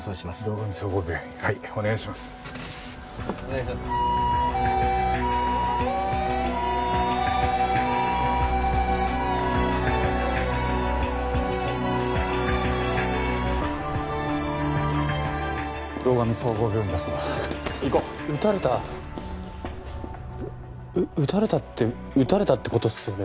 う撃たれたって撃たれたって事っすよね？